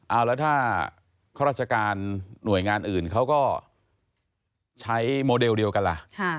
เอาแล้วถ้าข้าราชการหน่วยงานอื่นเขาก็ใช้โมเดลเดียวกันล่ะ